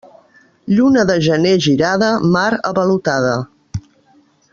Lluna de gener girada, mar avalotada.